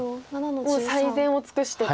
もう最善を尽くしてと。